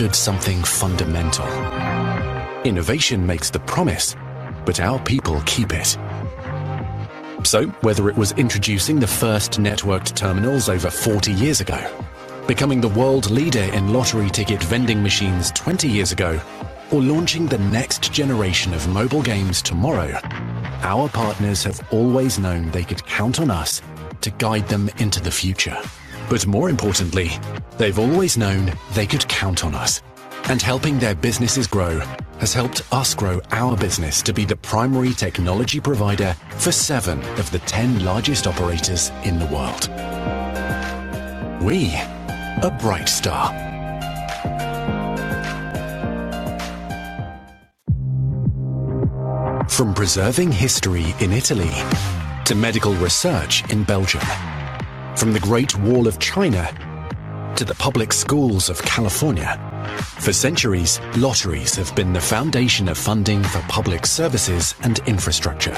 Understood something fundamental. Innovation makes the promise, but our people keep it. Whether it was introducing the first networked terminals over 40 years ago, becoming the world leader in lottery ticket vending machines 20 years ago, or launching the next generation of mobile games tomorrow, our partners have always known they could count on us to guide them into the future. More importantly, they have always known they could count on us. Helping their businesses grow has helped us grow our business to be the primary technology provider for seven of the ten largest operators in the world. We are Brightstar. From preserving history in Italy to medical research in Belgium, from the Great Wall of China to the public schools of California, for centuries, lotteries have been the foundation of funding for public services and infrastructure.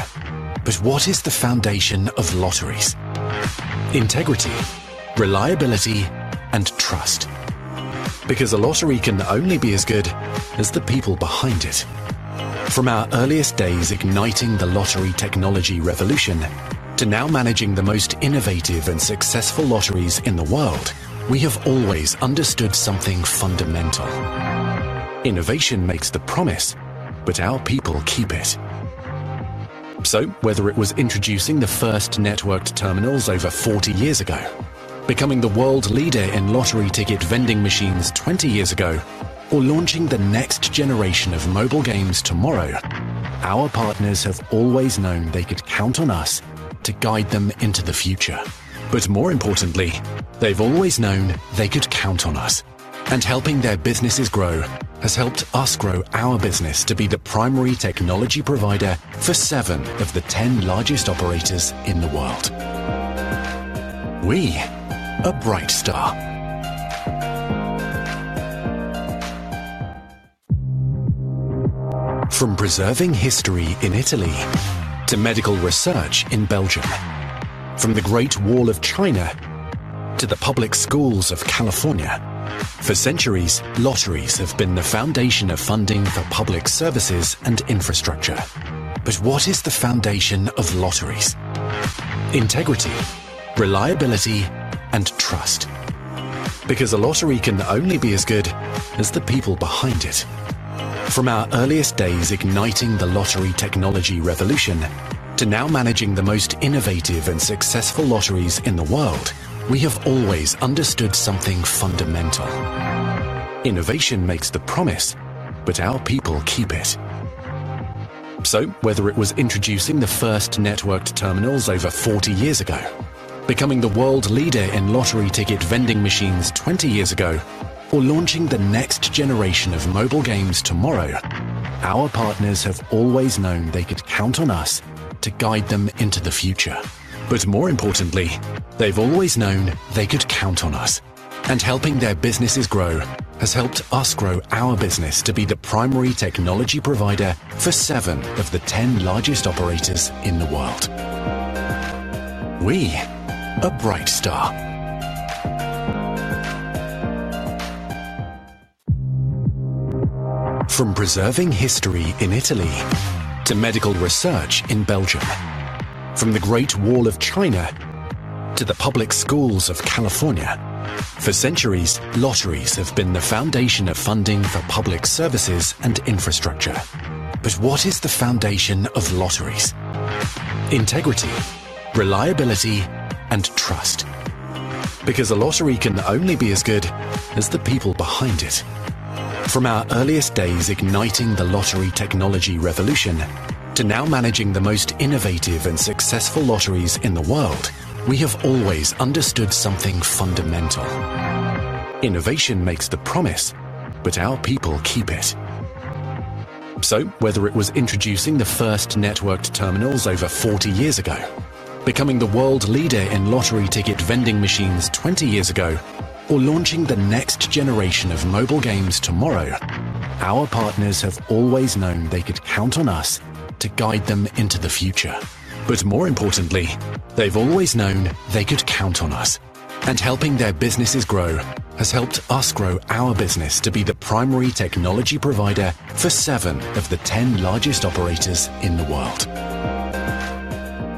What is the foundation of lotteries? Integrity, reliability, and trust. A lottery can only be as good as the people behind it. From our earliest days igniting the lottery technology revolution to now managing the most innovative and successful lotteries in the world, we have always understood something fundamental. Innovation makes the promise, but our people keep it. Whether it was introducing the first networked terminals over 40 years ago, becoming the world leader in lottery ticket vending machines 20 years ago, or launching the next generation of mobile games tomorrow, our partners have always known they could count on us to guide them into the future. More importantly, they have always known they could count on us. Helping their businesses grow has helped us grow our business to be the primary technology provider for seven of the ten largest operators in the world. We are Brightstar. From preserving history in Italy to medical research in Belgium, from the Great Wall of China to the public schools of California, for centuries, lotteries have been the foundation of funding for public services and infrastructure. What is the foundation of lotteries? Integrity, reliability, and trust. A lottery can only be as good as the people behind it. From our earliest days igniting the lottery technology revolution to now managing the most innovative and successful lotteries in the world, we have always understood something fundamental. Innovation makes the promise, but our people keep it. Whether it was introducing the first networked terminals over 40 years ago, becoming the world leader in lottery ticket vending machines 20 years ago, or launching the next generation of mobile games tomorrow, our partners have always known they could count on us to guide them into the future. More importantly, they have always known they could count on us. Helping their businesses grow has helped us grow our business to be the primary technology provider for seven of the ten largest operators in the world. We are Brightstar. From preserving history in Italy to medical research in Belgium, from the Great Wall of China to the public schools of California, for centuries, lotteries have been the foundation of funding for public services and infrastructure. What is the foundation of lotteries? Integrity, reliability, and trust. A lottery can only be as good as the people behind it. From our earliest days igniting the lottery technology revolution to now managing the most innovative and successful lotteries in the world, we have always understood something fundamental. Innovation makes the promise, but our people keep it. Whether it was introducing the first networked terminals over 40 years ago, becoming the world leader in lottery ticket vending machines 20 years ago, or launching the next generation of mobile games tomorrow, our partners have always known they could count on us to guide them into the future. More importantly, they have always known they could count on us. Helping their businesses grow has helped us grow our business to be the primary technology provider for seven of the ten largest operators in the world.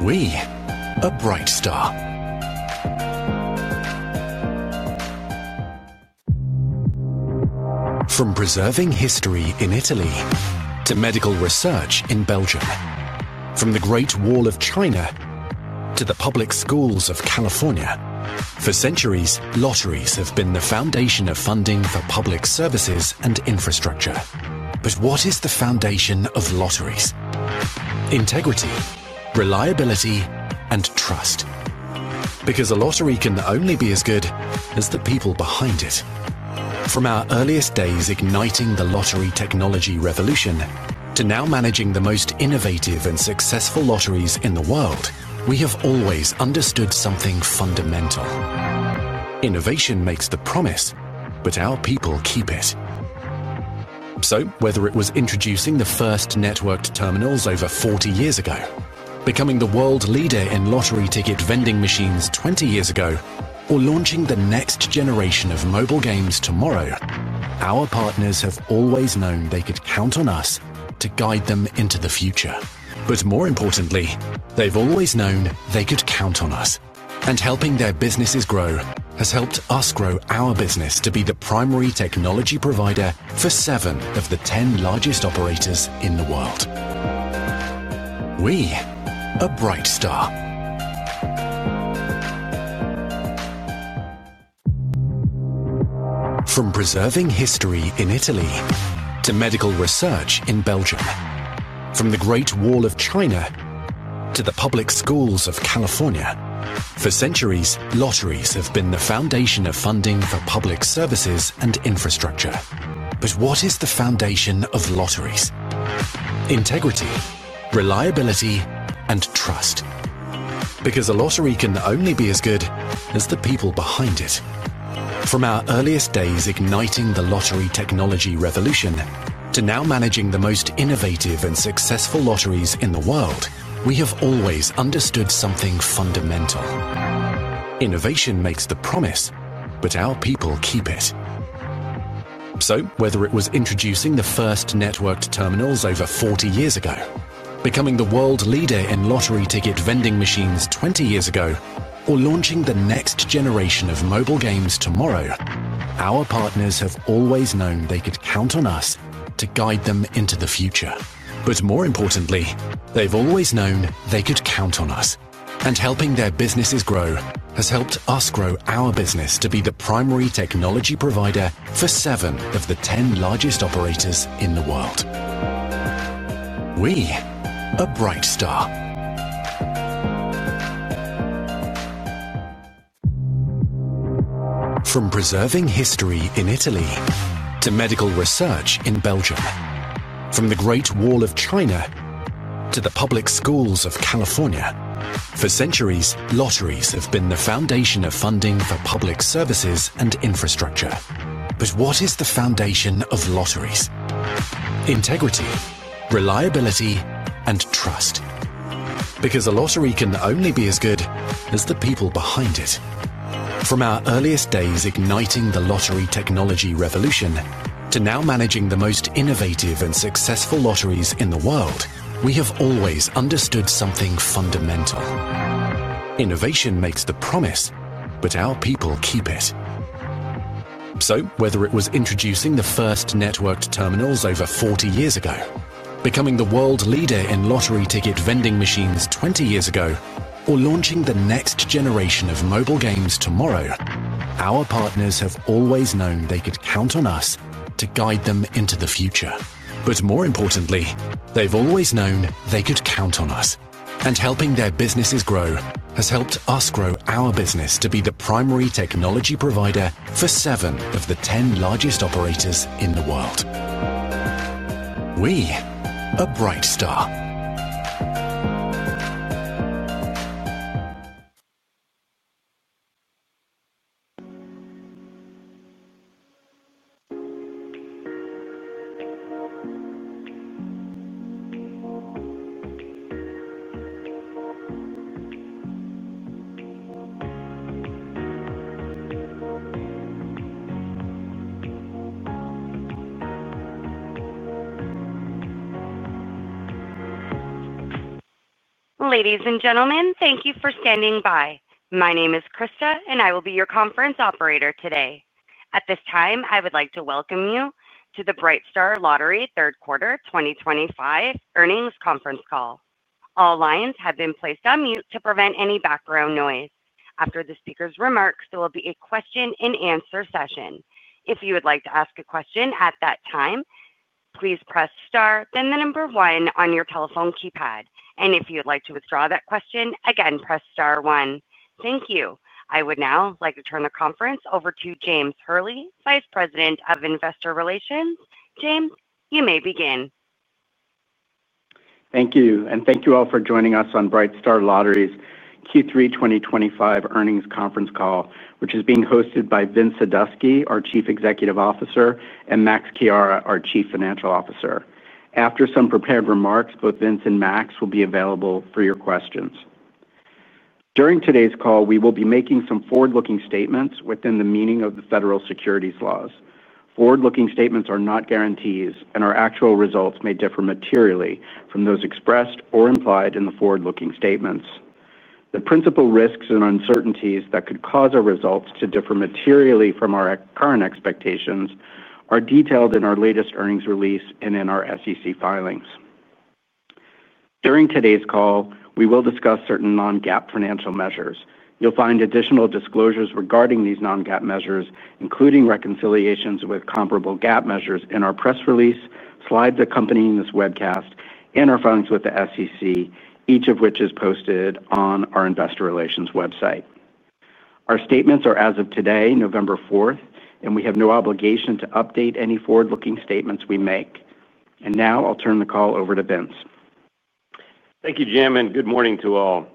We. A Brightstar. From preserving history in Italy to medical research in Belgium, from the Great Wall of China to the public schools of California, for centuries, lotteries have been the foundation of funding for public services and infrastructure. What is the foundation of lotteries? Integrity, reliability, and trust. A lottery can only be as good as the people behind it. From our earliest days igniting the lottery technology revolution to now managing the most innovative and successful lotteries in the world, we have always understood something fundamental. Innovation makes the promise, but our people keep it. Whether it was introducing the first networked terminals over 40 years ago, becoming the world leader in lottery ticket vending machines 20 years ago, or launching the next generation of mobile games tomorrow, our partners have always known they could count on us to guide them into the future. More importantly, they have always known they could count on us. Helping their businesses grow has helped us grow our business to be the primary technology provider for seven of the ten largest operators in the world. We. A Brightstar. From preserving history in Italy to medical research in Belgium, from the Great Wall of China to the public schools of California, for centuries, lotteries have been the foundation of funding for public services and infrastructure. What is the foundation of lotteries? Integrity, reliability, and trust. A lottery can only be as good as the people behind it. From our earliest days igniting the lottery technology revolution to now managing the most innovative and successful lotteries in the world, we have always understood something fundamental. Innovation makes the promise, but our people keep it. Whether it was introducing the first networked terminals over 40 years ago, becoming the world leader in lottery ticket vending machines 20 years ago, or launching the next generation of mobile games tomorrow, our partners have always known they could count on us to guide them into the future. More importantly, they have always known they could count on us. Helping their businesses grow has helped us grow our business to be the primary technology provider for seven of the ten largest operators in the world. We are Brightstar. From preserving history in Italy to medical research in Belgium, from the Great Wall of China to the public schools of California, for centuries, lotteries have been the foundation of funding for public services and infrastructure. What is the foundation of lotteries? Integrity, reliability, and trust. A lottery can only be as good as the people behind it. From our earliest days igniting the lottery technology revolution to now managing the most innovative and successful lotteries in the world, we have always understood something fundamental. Innovation makes the promise, but our people keep it. Whether it was introducing the first networked terminals over 40 years ago, becoming the world leader in lottery ticket vending machines 20 years ago, or launching the next generation of mobile games tomorrow, our partners have always known they could count on us to guide them into the future. More importantly, they have always known they could count on us. Helping their businesses grow has helped us grow our business to be the primary technology provider for seven of the ten largest operators in the world. We are Brightstar. Ladies and gentlemen, thank you for standing by. My name is Krista, and I will be your conference operator today. At this time, I would like to welcome you to the Brightstar Lottery Third Quarter 2025 earnings conference call. All lines have been placed on mute to prevent any background noise. After the speaker's remarks, there will be a question-and-answer session. If you would like to ask a question at that time, please press star, then the number one on your telephone keypad. If you would like to withdraw that question, again, press star one. Thank you. I would now like to turn the conference over to James Hurley, Vice President of Investor Relations. James, you may begin. Thank you. Thank you all for joining us on Brightstar Lottery's Q3 2025 Earnings Conference call, which is being hosted by Vince Sadusky, our Chief Executive Officer, and Max Chiara, our Chief Financial Officer. After some prepared remarks, both Vince and Max will be available for your questions. During today's call, we will be making some forward-looking statements within the meaning of the federal securities laws. Forward-looking statements are not guarantees, and our actual results may differ materially from those expressed or implied in the forward-looking statements. The principal risks and uncertainties that could cause our results to differ materially from our current expectations are detailed in our latest earnings release and in our SEC filings. During today's call, we will discuss certain non-GAAP financial measures. You'll find additional disclosures regarding these non-GAAP measures, including reconciliations with comparable GAAP measures in our press release, slides accompanying this webcast, and our filings with the SEC, each of which is posted on our Investor Relations website. Our statements are as of today, November 4th, and we have no obligation to update any forward-looking statements we make. Now I'll turn the call over to Vince. Thank you, Jim, and good morning to all.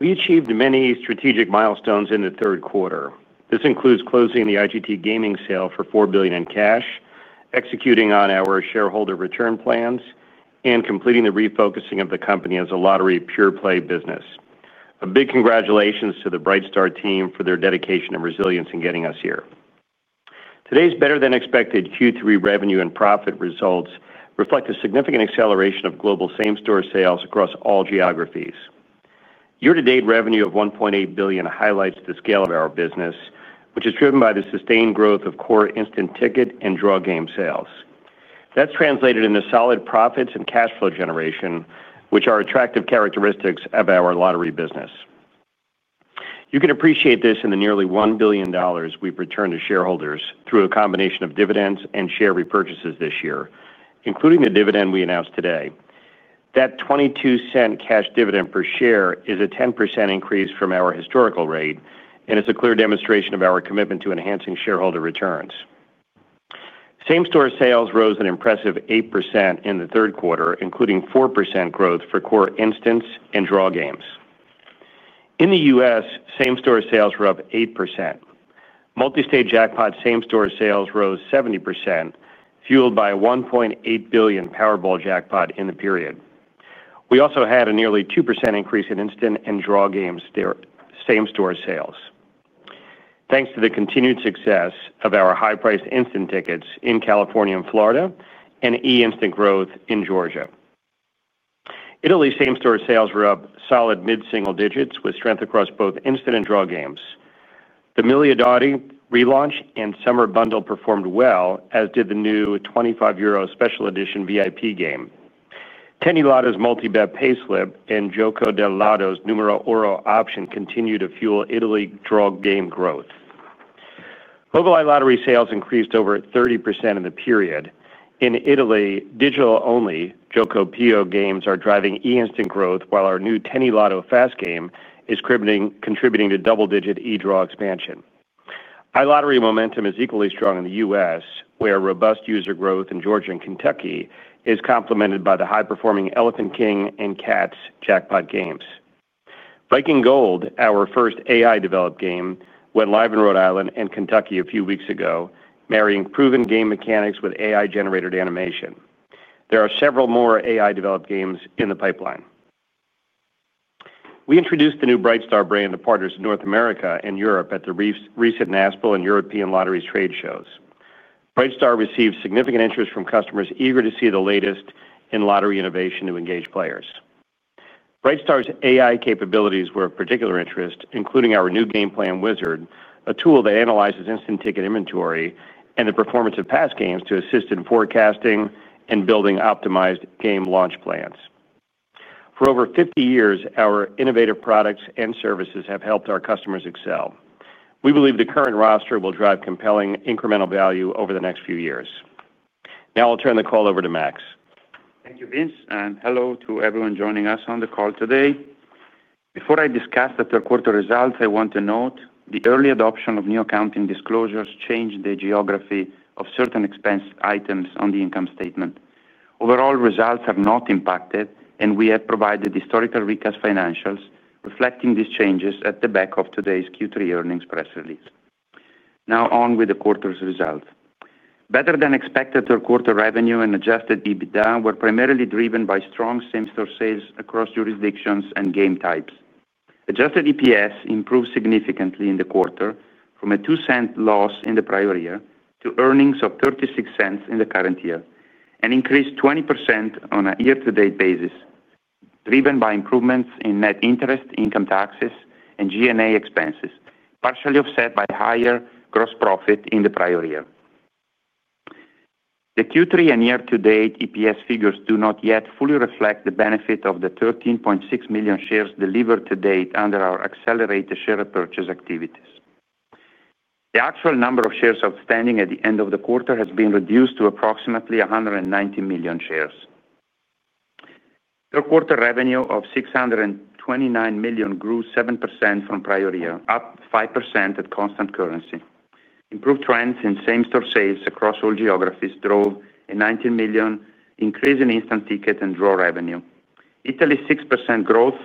We achieved many strategic milestones in the third quarter. This includes closing the IGT gaming sale for $4 billion in cash, executing on our shareholder return plans, and completing the refocusing of the company as a lottery pure-play business. A big congratulations to the Brightstar team for their dedication and resilience in getting us here. Today's better-than-expected Q3 revenue and profit results reflect a significant acceleration of global same-store sales across all geographies. Year-to-date revenue of $1.8 billion highlights the scale of our business, which is driven by the sustained growth of core instant ticket and draw game sales. That's translated into solid profits and cash flow generation, which are attractive characteristics of our lottery business. You can appreciate this in the nearly $1 billion we've returned to shareholders through a combination of dividends and share repurchases this year, including the dividend we announced today. That $0.22 cash dividend per share is a 10% increase from our historical rate and is a clear demonstration of our commitment to enhancing shareholder returns. Same-store sales rose an impressive 8% in the third quarter, including 4% growth for core instant and draw games. In the U.S., same-store sales were up 8%. Multi-state jackpot same-store sales rose 70%, fueled by a $1.8 billion Powerball jackpot in the period. We also had a nearly 2% increase in instant and draw game same-store sales. Thanks to the continued success of our high-priced instant tickets in California and Florida and e-instant growth in Georgia. Italy's same-store sales were up solid mid-single digits with strength across both instant and draw games. The Miliardario relaunch and summer bundle performed well, as did the new 25 euro Special Edition VIP Game. 10eLotto's multi-bet payslip and Gioco del Lotto's Numero Oro option continue to fuel Italy draw game growth. Mobile lottery sales increased over 30% in the period. In Italy, digital-only Gioca Più games are driving e-instant growth, while our new 10eLotto fast game is contributing to double-digit e-draw expansion. iLottery momentum is equally strong in the U.S., where robust user growth in Georgia and Kentucky is complemented by the high-performing Elephant King and Cats Jackpot games. Viking Gold, our first AI-developed game, went live in Rhode Island and Kentucky a few weeks ago, marrying proven game mechanics with AI-generated animation. There are several more AI-developed games in the pipeline. We introduced the new Brightstar brand to partners in North America and Europe at the recent NASPL and European Lotteries trade shows. Brightstar received significant interest from customers eager to see the latest in lottery innovation to engage players. Brightstar's AI capabilities were of particular interest, including our new Game Plan Wizard, a tool that analyzes instant ticket inventory and the performance of past games to assist in forecasting and building optimized game launch plans. For over 50 years, our innovative products and services have helped our customers excel. We believe the current roster will drive compelling incremental value over the next few years. Now I'll turn the call over to Max. Thank you, Vince, and hello to everyone joining us on the call today. Before I discuss the third quarter results, I want to note the early adoption of new accounting disclosures changed the geography of certain expense items on the income statement. Overall, results are not impacted, and we have provided historical recap financials reflecting these changes at the back of today's Q3 earnings press release. Now on with the quarter's results. Better-than-expected third quarter revenue and adjusted EBITDA were primarily driven by strong same-store sales across jurisdictions and game types. Adjusted EPS improved significantly in the quarter, from a $0.02 loss in the prior year to earnings of $0.36 in the current year, an increase of 20% on a year-to-date basis, driven by improvements in net interest, income taxes, and G&A expenses, partially offset by higher gross profit in the prior year. The Q3 and year-to-date EPS figures do not yet fully reflect the benefit of the 13.6 million shares delivered to date under our accelerated share purchase activities. The actual number of shares outstanding at the end of the quarter has been reduced to approximately 190 million shares. Third quarter revenue of $629 million grew 7% from prior year, up 5% at constant currency. Improved trends in same-store sales across all geographies drove a $19 million increase in instant ticket and draw revenue. Italy's 6% growth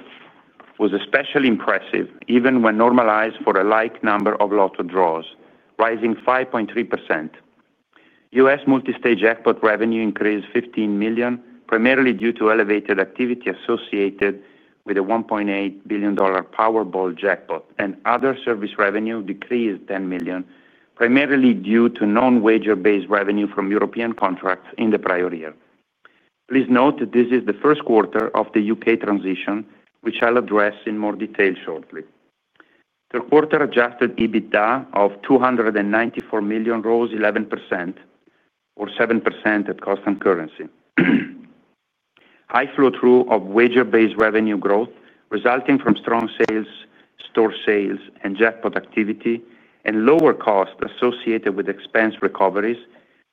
was especially impressive, even when normalized for a like number of lottery draws, rising 5.3%. U.S. multi-state jackpot revenue increased $15 million, primarily due to elevated activity associated with a $1.8 billion Powerball jackpot, and other service revenue decreased $10 million, primarily due to non-wager-based revenue from European contracts in the prior year. Please note that this is the first quarter of the U.K. transition, which I'll address in more detail shortly. Third quarter adjusted EBITDA of $294 million rose 11%, or 7% at constant currency. High flow-through of wager-based revenue growth resulting from strong same-store sales and jackpot activity and lower costs associated with expense recoveries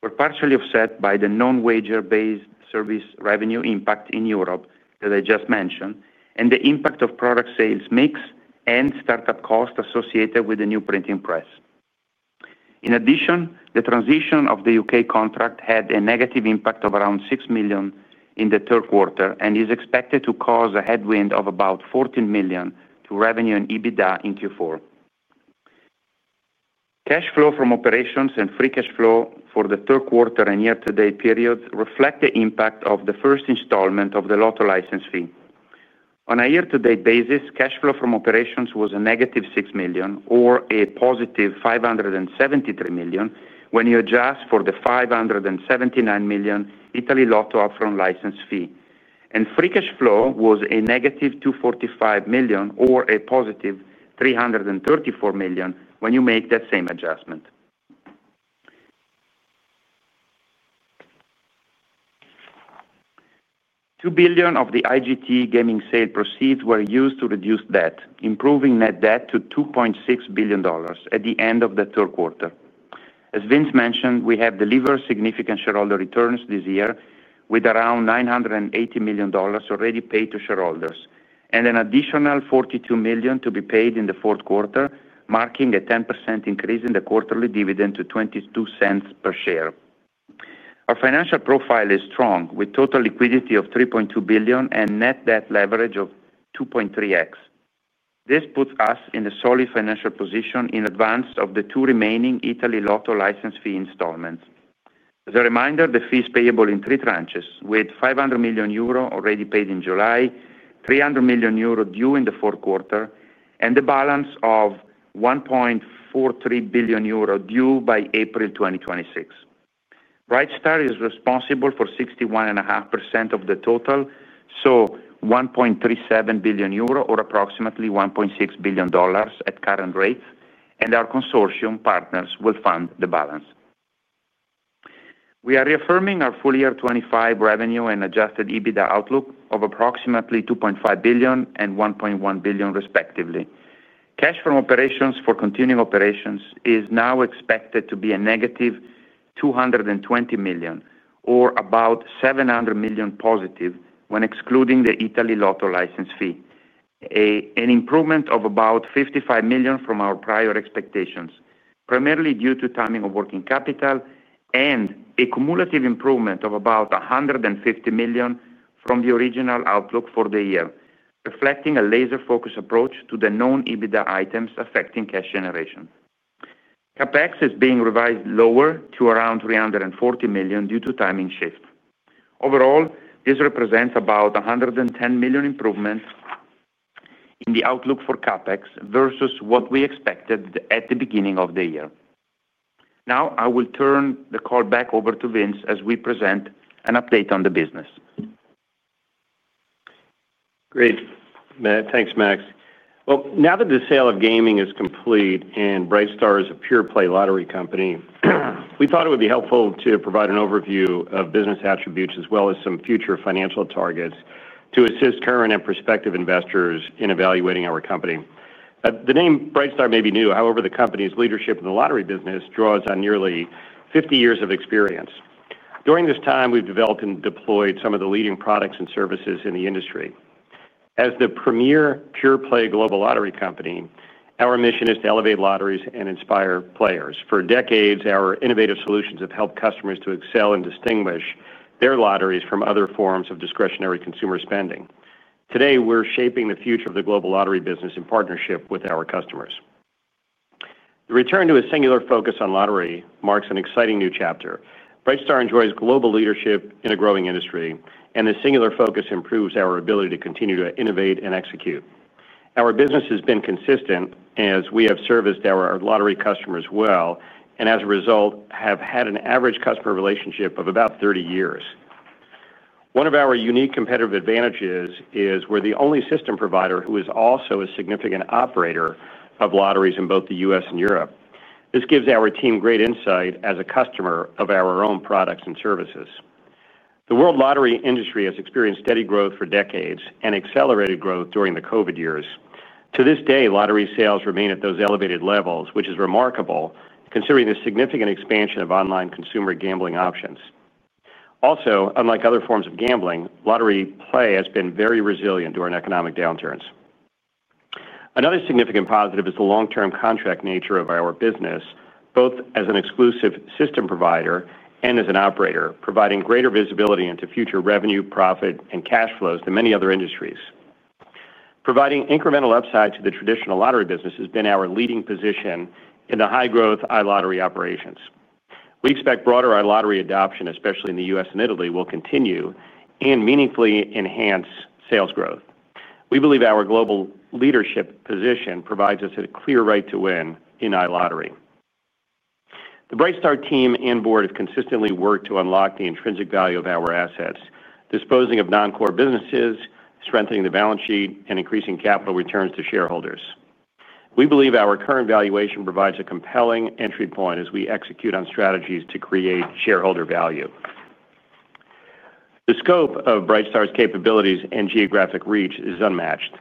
were partially offset by the non-wager-based service revenue impact in Europe that I just mentioned and the impact of product sales mix and startup costs associated with the new printing press. In addition, the transition of the U.K. contract had a negative impact of around $6 million in the third quarter and is expected to cause a headwind of about $14 million to revenue and EBITDA in Q4. Cash flow from operations and free cash flow for the third quarter and year-to-date period reflect the impact of the first installment of the lottery license fee. On a year-to-date basis, cash flow from operations was a -$6 million, or a +$573 million, when you adjust for the $579 million Italy lottery upfront license fee. And free cash flow was a -$245 million, or a +$334 million, when you make that same adjustment. $2 billion of the IGT gaming sale proceeds were used to reduce debt, improving net debt to $2.6 billion at the end of the third quarter. As Vince mentioned, we have delivered significant shareholder returns this year, with around $980 million already paid to shareholders and an additional $42 million to be paid in the fourth quarter, marking a 10% increase in the quarterly dividend to $0.22 per share. Our financial profile is strong, with total liquidity of $3.2 billion and net debt leverage of 2.3x. This puts us in a solid financial position in advance of the two remaining Italy lottery license fee installments. As a reminder, the fee is payable in three tranches, with 500 million euro already paid in July, 300 million euro due in the fourth quarter, and a balance of 1.43 billion euro due by April 2026. Brightstar is responsible for 61.5% of the total, so 1.37 billion euro, or approximately $1.6 billion at current rates, and our consortium partners will fund the balance. We are reaffirming our full year 2025 revenue and adjusted EBITDA outlook of approximately $2.5 billion and $1.1 billion, respectively. Cash from operations for continuing operations is now expected to be a -$220 million, or about $700 million+ when excluding the Italy lottery license fee. An improvement of about $55 million from our prior expectations, primarily due to timing of working capital and a cumulative improvement of about $150 million from the original outlook for the year, reflecting a laser-focused approach to the known EBITDA items affecting cash generation. CapEx is being revised lower to around $340 million due to timing shift. Overall, this represents about a $110 million improvement in the outlook for CapEx versus what we expected at the beginning of the year. Now I will turn the call back over to Vince as we present an update on the business. Great. Thanks, Max. Now that the sale of gaming is complete and Brightstar is a pure-play lottery company, we thought it would be helpful to provide an overview of business attributes as well as some future financial targets to assist current and prospective investors in evaluating our company. The name Brightstar may be new; however, the company's leadership in the lottery business draws on nearly 50 years of experience. During this time, we've developed and deployed some of the leading products and services in the industry. As the premier pure-play global lottery company, our mission is to elevate lotteries and inspire players. For decades, our innovative solutions have helped customers to excel and distinguish their lotteries from other forms of discretionary consumer spending. Today, we're shaping the future of the global lottery business in partnership with our customers. The return to a singular focus on lottery marks an exciting new chapter. Brightstar enjoys global leadership in a growing industry, and the singular focus improves our ability to continue to innovate and execute. Our business has been consistent as we have serviced our lottery customers well, and as a result, have had an average customer relationship of about 30 years. One of our unique competitive advantages is we're the only system provider who is also a significant operator of lotteries in both the U.S. and Europe. This gives our team great insight as a customer of our own products and services. The world lottery industry has experienced steady growth for decades and accelerated growth during the COVID years. To this day, lottery sales remain at those elevated levels, which is remarkable considering the significant expansion of online consumer gambling options. Also, unlike other forms of gambling, lottery play has been very resilient during economic downturns. Another significant positive is the long-term contract nature of our business, both as an exclusive system provider and as an operator, providing greater visibility into future revenue, profit, and cash flows than many other industries. Providing incremental upside to the traditional lottery business has been our leading position in the high-growth iLottery operations. We expect broader iLottery adoption, especially in the U.S. and Italy, will continue and meaningfully enhance sales growth. We believe our global leadership position provides us a clear right to win in iLottery. The Brightstar team and board have consistently worked to unlock the intrinsic value of our assets, disposing of non-core businesses, strengthening the balance sheet, and increasing capital returns to shareholders. We believe our current valuation provides a compelling entry point as we execute on strategies to create shareholder value. The scope of Brightstar's capabilities and geographic reach is unmatched.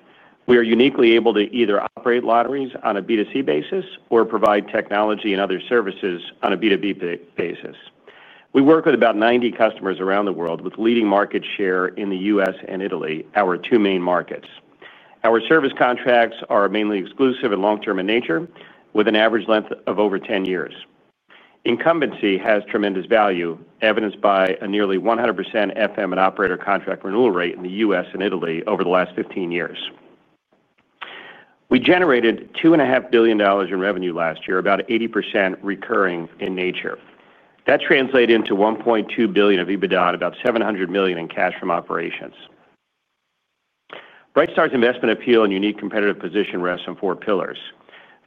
We are uniquely able to either operate lotteries on a B2C basis or provide technology and other services on a B2B basis. We work with about 90 customers around the world, with leading market share in the U.S. and Italy, our two main markets. Our service contracts are mainly exclusive and long-term in nature, with an average length of over 10 years. Incumbency has tremendous value, evidenced by a nearly 100% FM and operator contract renewal rate in the U.S. and Italy over the last 15 years. We generated $2.5 billion in revenue last year, about 80% recurring in nature. That translated into $1.2 billion of EBITDA and about $700 million in cash from operations. Brightstar's investment appeal and unique competitive position rests on four pillars.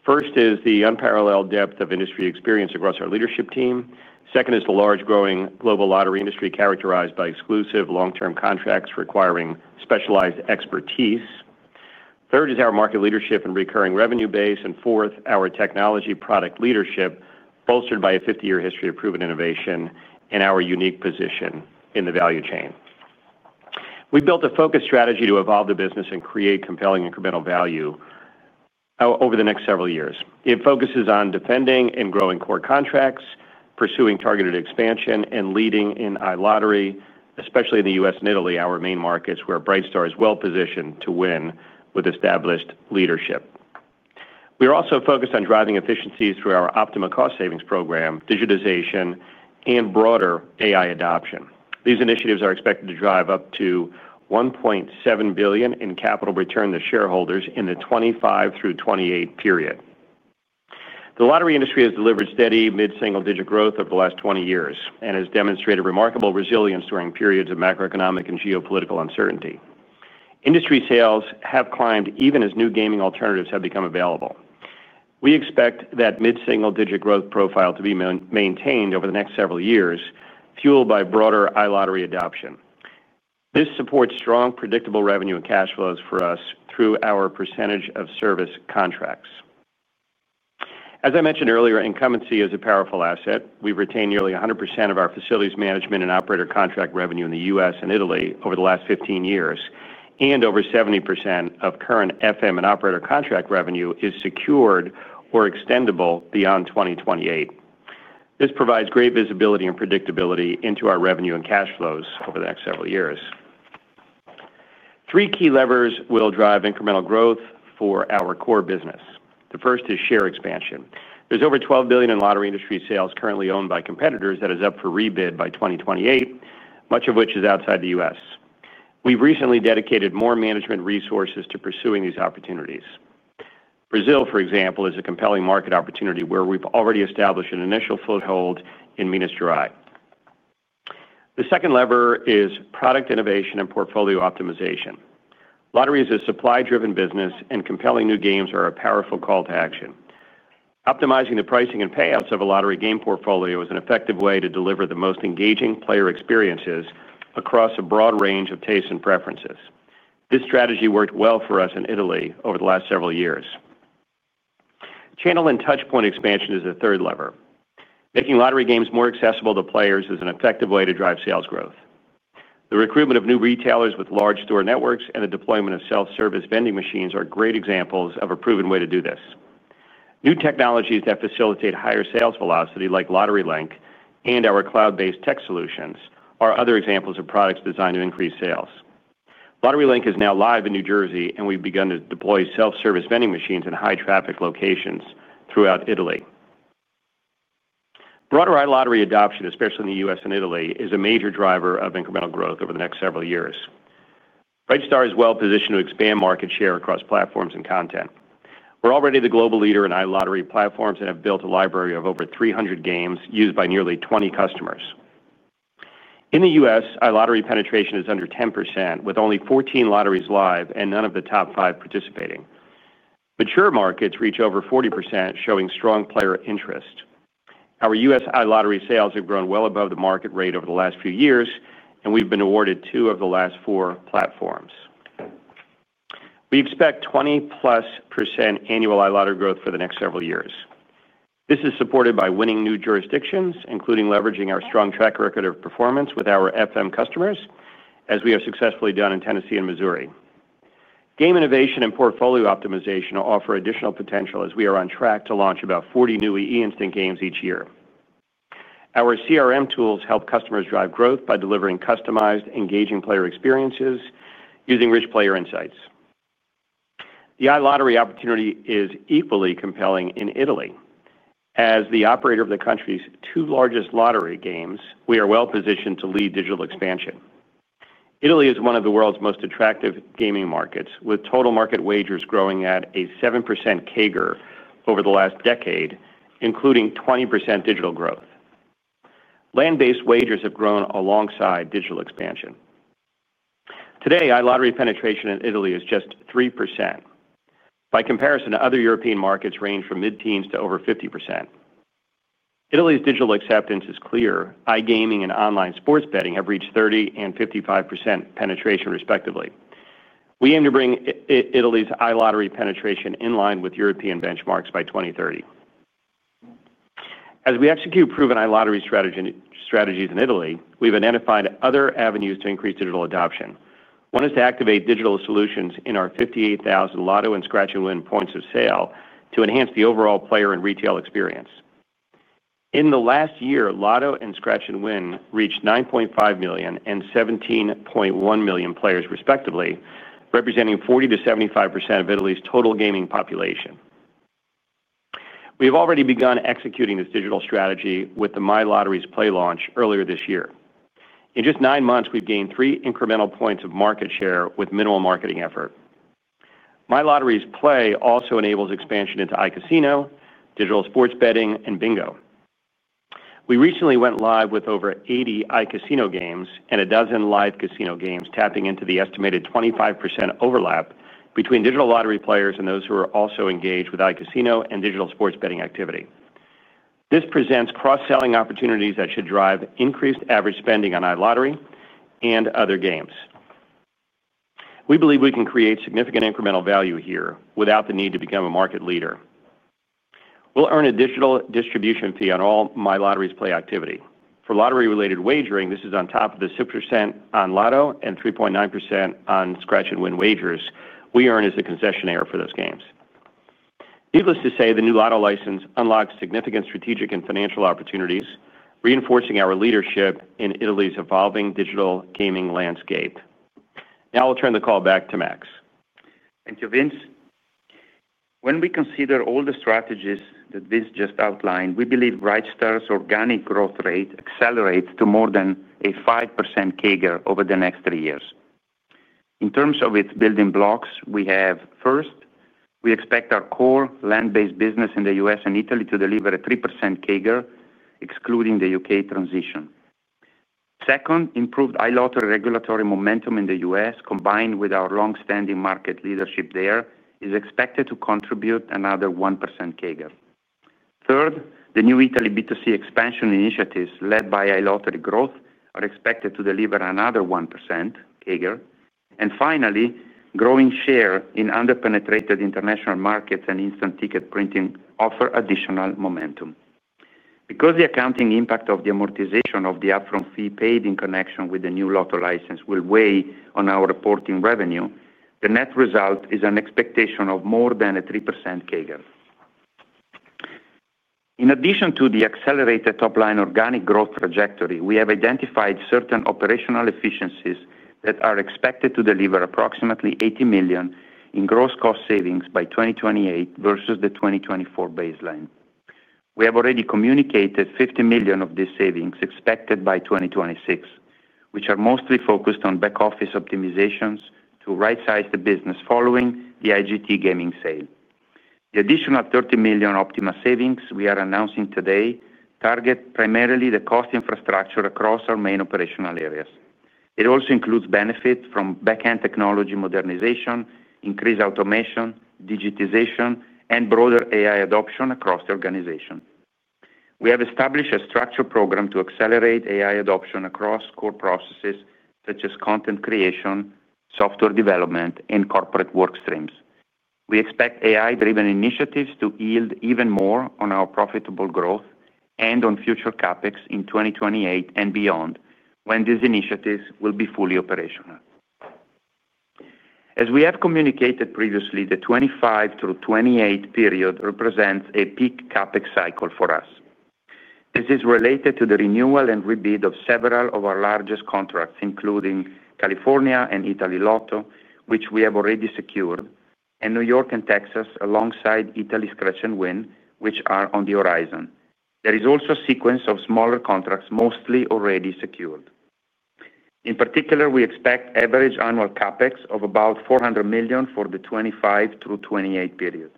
First is the unparalleled depth of industry experience across our leadership team. Second is the large-growing global lottery industry characterized by exclusive long-term contracts requiring specialized expertise. Third is our market leadership and recurring revenue base. Fourth, our technology product leadership, bolstered by a 50-year history of proven innovation and our unique position in the value chain. We built a focused strategy to evolve the business and create compelling incremental value over the next several years. It focuses on defending and growing core contracts, pursuing targeted expansion, and leading in iLottery, especially in the U.S. and Italy, our main markets where Brightstar is well-positioned to win with established leadership. We are also focused on driving efficiencies through our OPtiMa cost savings program, digitization, and broader AI adoption. These initiatives are expected to drive up to $1.7 billion in capital return to shareholders in the 2025 through 2028 period. The lottery industry has delivered steady mid-single-digit growth over the last 20 years and has demonstrated remarkable resilience during periods of macroeconomic and geopolitical uncertainty. Industry sales have climbed even as new gaming alternatives have become available. We expect that mid-single-digit growth profile to be maintained over the next several years, fueled by broader iLottery adoption. This supports strong, predictable revenue and cash flows for us through our percentage of service contracts. As I mentioned earlier, incumbency is a powerful asset. We've retained nearly 100% of our facilities management and operator contract revenue in the U.S. and Italy over the last 15 years, and over 70% of current FM and operator contract revenue is secured or extendable beyond 2028. This provides great visibility and predictability into our revenue and cash flows over the next several years. Three key levers will drive incremental growth for our core business. The first is share expansion. There's over $12 billion in lottery industry sales currently owned by competitors that is up for rebid by 2028, much of which is outside the U.S. We've recently dedicated more management resources to pursuing these opportunities. Brazil, for example, is a compelling market opportunity where we've already established an initial foothold in Minas Gerais. The second lever is product innovation and portfolio optimization. Lotteries are a supply-driven business, and compelling new games are a powerful call to action. Optimizing the pricing and payouts of a lottery game portfolio is an effective way to deliver the most engaging player experiences across a broad range of tastes and preferences. This strategy worked well for us in Italy over the last several years. Channel and touchpoint expansion is the third lever. Making lottery games more accessible to players is an effective way to drive sales growth. The recruitment of new retailers with large store networks and the deployment of self-service vending machines are great examples of a proven way to do this. New technologies that facilitate higher sales velocity, like LotteryLink and our cloud-based tech solutions, are other examples of products designed to increase sales. LotteryLink is now live in New Jersey, and we've begun to deploy self-service vending machines in high-traffic locations throughout Italy. Broader iLottery adoption, especially in the U.S. and Italy, is a major driver of incremental growth over the next several years. Brightstar is well-positioned to expand market share across platforms and content. We're already the global leader in iLottery platforms and have built a library of over 300 games used by nearly 20 customers. In the U.S., iLottery penetration is under 10%, with only 14 lotteries live and none of the top five participating. Mature markets reach over 40%, showing strong player interest. Our U.S. iLottery sales have grown well above the market rate over the last few years, and we've been awarded two of the last four platforms. We expect 20%+ annual iLottery growth for the next several years. This is supported by winning new jurisdictions, including leveraging our strong track record of performance with our FM customers, as we have successfully done in Tennessee and Missouri. Game innovation and portfolio optimization offer additional potential as we are on track to launch about 40 new e-instant games each year. Our CRM tools help customers drive growth by delivering customized, engaging player experiences using rich player insights. The iLottery opportunity is equally compelling in Italy. As the operator of the country's two largest lottery games, we are well-positioned to lead digital expansion. Italy is one of the world's most attractive gaming markets, with total market wagers growing at a 7% CAGR over the last decade, including 20% digital growth. Land-based wagers have grown alongside digital expansion. Today, iLottery penetration in Italy is just 3%. By comparison, other European markets range from mid-teens to over 50%. Italy's digital acceptance is clear. iGaming and online sports betting have reached 30% and 55% penetration, respectively. We aim to bring Italy's iLottery penetration in line with European benchmarks by 2030. As we execute proven iLottery strategies in Italy, we've identified other avenues to increase digital adoption. One is to activate digital solutions in our 58,000 Lotto and Scratch & Win points of sale to enhance the overall player and retail experience. In the last year, Lotto and Scratch & Win reached 9.5 million and 17.1 million players, respectively, representing 40%-75% of Italy's total gaming population. We have already begun executing this digital strategy with the MyLotteriesPlay launch earlier this year. In just nine months, we've gained three incremental points of market share with minimal marketing effort. MyLotteriesPlay also enables expansion into iCasino, digital sports betting, and Bingo. We recently went live with over 80 iCasino games and a dozen live casino games, tapping into the estimated 25% overlap between digital lottery players and those who are also engaged with iCasino and digital sports betting activity. This presents cross-selling opportunities that should drive increased average spending on iLottery and other games. We believe we can create significant incremental value here without the need to become a market leader. We'll earn a digital distribution fee on all MyLotteriesPlay activity. For lottery-related wagering, this is on top of the 6% on Lotto and 3.9% on Scratch & Win wagers we earn as a concessionaire for those games. Needless to say, the new Lotto license unlocks significant strategic and financial opportunities, reinforcing our leadership in Italy's evolving digital gaming landscape. Now I'll turn the call back to Max. Thank you, Vince. When we consider all the strategies that Vince just outlined, we believe Brightstar's organic growth rate accelerates to more than a 5% CAGR over the next three years. In terms of its building blocks, we have, first, we expect our core land-based business in the U.S. and Italy to deliver a 3% CAGR, excluding the U.K. transition. Second, improved iLottery regulatory momentum in the U.S., combined with our long-standing market leadership there, is expected to contribute another 1% CAGR. Third, the new Italy B2C expansion initiatives led by iLottery growth are expected to deliver another 1% CAGR. Finally, growing share in under-penetrated international markets and instant ticket printing offer additional momentum. Because the accounting impact of the amortization of the upfront fee paid in connection with the new Lotto license will weigh on our reporting revenue, the net result is an expectation of more than a 3% CAGR. In addition to the accelerated top-line organic growth trajectory, we have identified certain operational efficiencies that are expected to deliver approximately $80 million in gross cost savings by 2028 versus the 2024 baseline. We have already communicated $50 million of these savings expected by 2026, which are mostly focused on back-office optimizations to right-size the business following the IGT gaming sale. The additional $30 million OPtiMa savings we are announcing today target primarily the cost infrastructure across our main operational areas. It also includes benefits from back-end technology modernization, increased automation, digitization, and broader AI adoption across the organization. We have established a structured program to accelerate AI adoption across core processes such as content creation, software development, and corporate work streams. We expect AI-driven initiatives to yield even more on our profitable growth and on future CapEx in 2028 and beyond when these initiatives will be fully operational. As we have communicated previously, the 2025 through 2028 period represents a peak CapEx cycle for us. This is related to the renewal and rebid of several of our largest contracts, including California and Italy Lotto, which we have already secured, and New York and Texas alongside Italy Scratch & Win, which are on the horizon. There is also a sequence of smaller contracts mostly already secured. In particular, we expect average annual CapEx of about $400 million for the 2025 through 2028 period.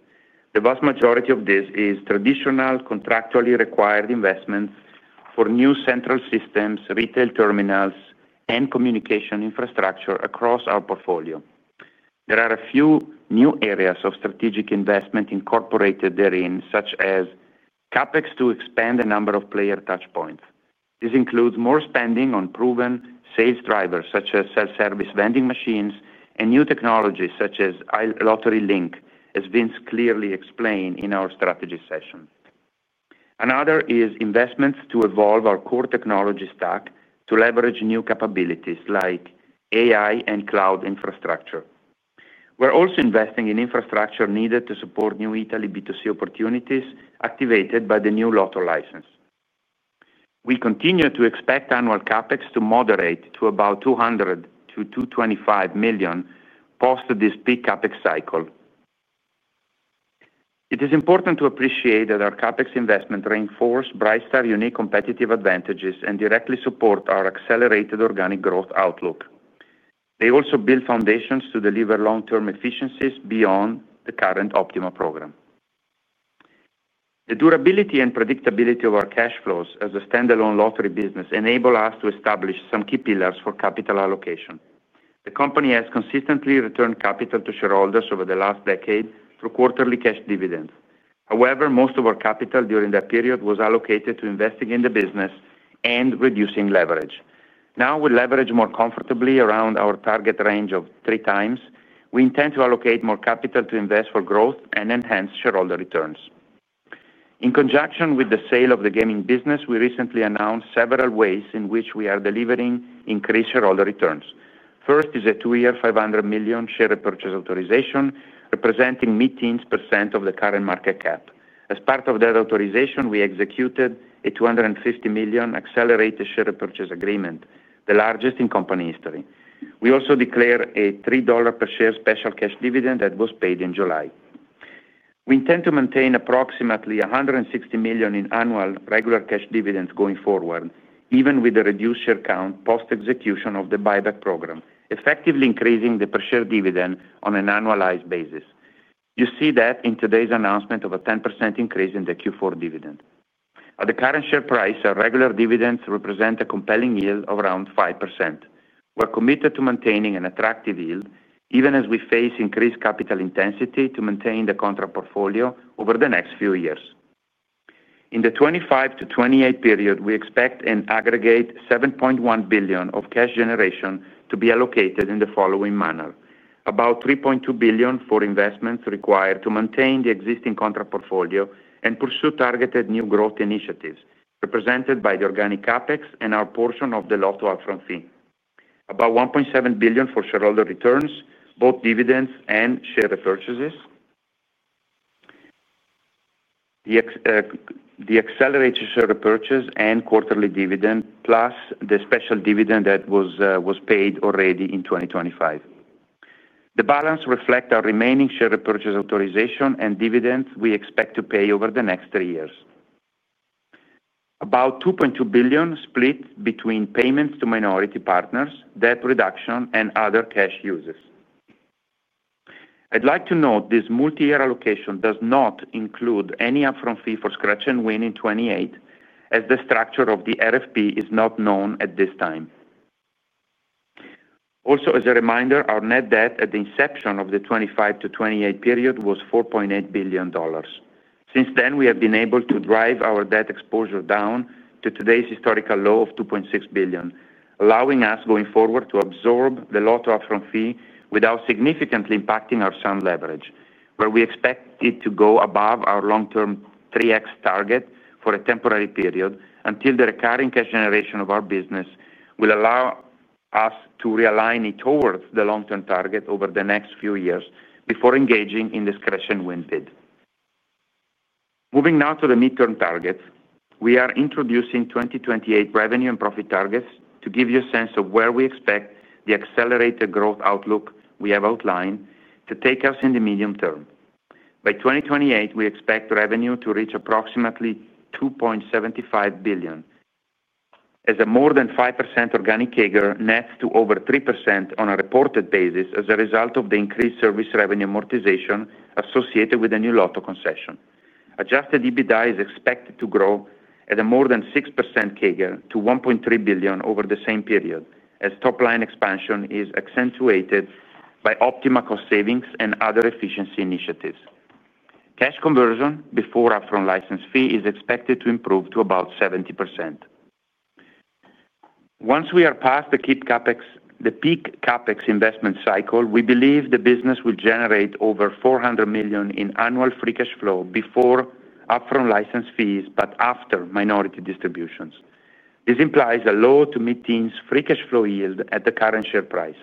The vast majority of this is traditional contractually required investments for new central systems, retail terminals, and communication infrastructure across our portfolio. There are a few new areas of strategic investment incorporated therein, such as CapEx to expand the number of player touchpoints. This includes more spending on proven sales drivers such as self-service vending machines and new technologies such as iLottery Link, as Vince clearly explained in our strategy session. Another is investments to evolve our core technology stack to leverage new capabilities like AI and cloud infrastructure. We're also investing in infrastructure needed to support new Italy B2C opportunities activated by the new Lotto license. We continue to expect annual CapEx to moderate to about $200 million-$225 million post this peak CapEx cycle. It is important to appreciate that our CapEx investment reinforces Brightstar's unique competitive advantages and directly supports our accelerated organic growth outlook. They also build foundations to deliver long-term efficiencies beyond the current OPtiMa program. The durability and predictability of our cash flows as a standalone lottery business enable us to establish some key pillars for capital allocation. The company has consistently returned capital to shareholders over the last decade through quarterly cash dividends. However, most of our capital during that period was allocated to investing in the business and reducing leverage. Now, we leverage more comfortably around our target range of three times. We intend to allocate more capital to invest for growth and enhance shareholder returns. In conjunction with the sale of the gaming business, we recently announced several ways in which we are delivering increased shareholder returns. First is a two-year $500 million share purchase authorization representing mid-teens percent of the current market cap. As part of that authorization, we executed a $250 million accelerated share purchase agreement, the largest in company history. We also declared a $3 per share special cash dividend that was paid in July. We intend to maintain approximately $160 million in annual regular cash dividends going forward, even with a reduced share count post-execution of the buyback program, effectively increasing the per share dividend on an annualized basis. You see that in today's announcement of a 10% increase in the Q4 dividend. At the current share price, our regular dividends represent a compelling yield of around 5%. We're committed to maintaining an attractive yield, even as we face increased capital intensity to maintain the contract portfolio over the next few years. In the 2025 to 2028 period, we expect an aggregate $7.1 billion of cash generation to be allocated in the following manner: about $3.2 billion for investments required to maintain the existing contract portfolio and pursue targeted new growth initiatives represented by the organic CapEx and our portion of the Lotto upfront fee; about $1.7 billion for shareholder returns, both dividends and share purchases. The accelerated share purchase and quarterly dividend, plus the special dividend that was paid already in 2025. The balance reflects our remaining share purchase authorization and dividends we expect to pay over the next three years. About $2.2 billion split between payments to minority partners, debt reduction, and other cash uses. I'd like to note this multi-year allocation does not include any upfront fee for Scratch & Win in 2028, as the structure of the RFP is not known at this time. Also, as a reminder, our net debt at the inception of the 2025 to 2028 period was $4.8 billion. Since then, we have been able to drive our debt exposure down to today's historical low of $2.6 billion, allowing us going forward to absorb the Lotto upfront fee without significantly impacting our sound leverage, where we expect it to go above our long-term 3x target for a temporary period until the recurring cash generation of our business will allow us to realign it towards the long-term target over the next few years before engaging in the Scratch & Win bid. Moving now to the mid-term targets, we are introducing 2028 revenue and profit targets to give you a sense of where we expect the accelerated growth outlook we have outlined to take us in the medium term. By 2028, we expect revenue to reach approximately $2.75 billion. As a more than 5% organic CAGR nets to over 3% on a reported basis as a result of the increased service revenue amortization associated with the new Lotto concession. Adjusted EBITDA is expected to grow at a more than 6% CAGR to $1.3 billion over the same period, as top-line expansion is accentuated by OPtiMa cost savings and other efficiency initiatives. Cash conversion before upfront license fee is expected to improve to about 70%. Once we are past the peak CapEx investment cycle, we believe the business will generate over $400 million in annual free cash flow before upfront license fees but after minority distributions. This implies a low to mid-teens free cash flow yield at the current share price.